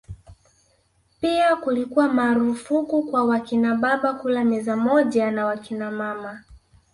Pia kulikuwa marufuku kwa wakinababa kula meza moja na wakinamama